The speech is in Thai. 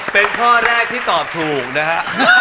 เป็นข้อแรกที่ตอบถูกนะฮะ